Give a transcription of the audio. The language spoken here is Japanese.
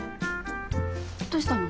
どうしたの？